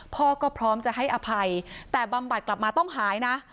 พ่อก็พร้อมจะให้อภัยแต่บำบัดกลับมาต้องหายนะ